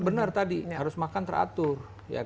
benar tadi harus makan teratur